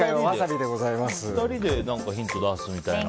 ２人でヒント出すみたいな。